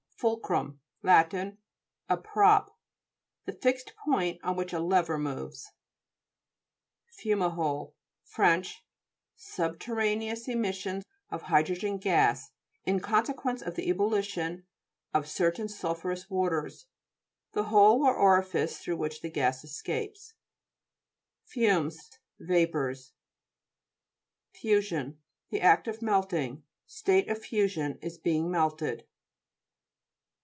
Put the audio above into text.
FU'LCRUM Lat. A prop. The fixed point on which a lever moves. FUM'AHOLE Fr. Subterraneous emis sion of hydrogen gas in consequence of the ebullition of certain sulphu rous waters. The hole or orifice through which the gas escapes. FUMES Vapours. FUSION The act of melting ^ state of fusion, is being melted.